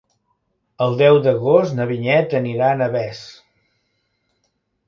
El deu d'agost na Vinyet anirà a Navès.